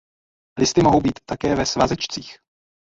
Listy mohou být také ve svazečcích.